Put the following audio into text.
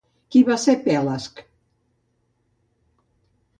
Qui va ser Pelasg?